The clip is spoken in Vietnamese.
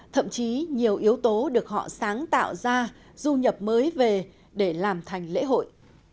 thậm chí nhiều yếu tố được họ sáng tạo ra du nhập mới về để làm thành lễ hội